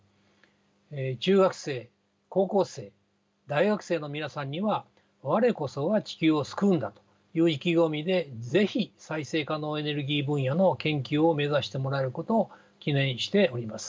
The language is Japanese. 中学生高校生大学生の皆さんには我こそは地球を救うんだという意気込みで是非再生可能エネルギー分野の研究を目指してもらえることを祈念しております。